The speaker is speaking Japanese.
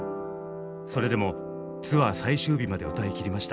それでもツアー最終日まで歌いきりました。